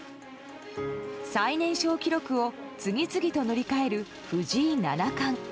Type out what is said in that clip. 最年少記録を次々と塗り替える藤井七冠。